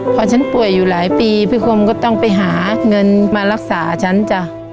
พอฉันป่วยอยู่หลายปีพี่คมก็ต้องไปหาเงินมารักษาฉันจ้ะ